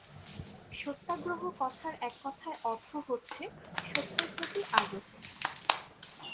সত্যাগ্রহ কথার এককথায় অর্থ হচ্ছে সত্যের প্রতি আগ্রহ।